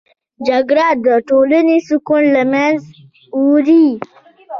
جګړه د ټولنې سکون له منځه وړي